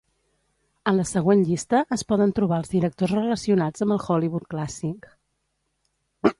En la següent llista es poden trobar els directors relacionats amb el Hollywood clàssic.